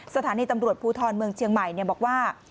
สถานีตำรวจภูทรเมืองเชียงใหม่บอกว่า